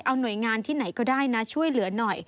เอาหน่วยงานที่ไหนก็ได้นะช่วยเหลือหน่อย